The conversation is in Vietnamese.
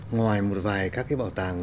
ngoài một vài các cái bảo tàng